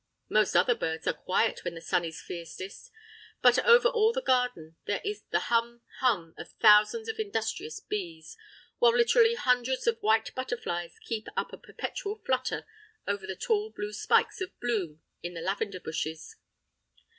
Most other birds are quiet when the sun is fiercest, but over all the garden there is the hum, hum of thousands of industrious bees, while literally hundreds of white butterflies keep up a perpetual flutter over the tall blue spikes of bloom on the lavender bushes.